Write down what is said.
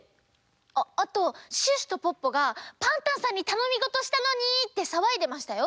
あっあとシュッシュとポッポが「パンタンさんにたのみごとしたのに」ってさわいでましたよ。